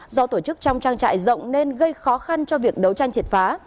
do tổ chức trong trang trại rộng nên gây khó khăn cho việc đấu tranh triệt phá